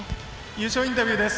優勝インタビューです。